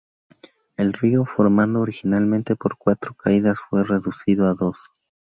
El río, formado originalmente por cuatro caídas, fue reducido a dos.